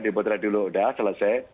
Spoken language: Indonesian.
di putra dulu udah selesai